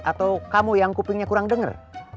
atau kamu yang kupingnya kurang denger